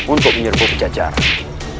untuk menyerbu kejajaran